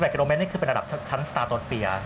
กิโลเมตนี่คือเป็นระดับชั้นสตาร์โดนเฟีย